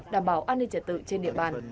đảm bảo an ninh trả tự trên địa bàn